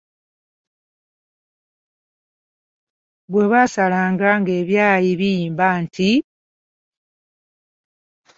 Bwebwasalanga, ng’ebyayi biyimba nti,